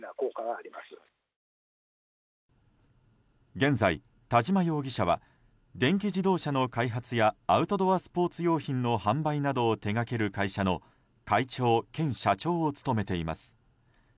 現在、田嶋容疑者は電気自動車の開発やアウトドアスポーツ用品の販売などを手掛ける会社の会長兼社長を務めています。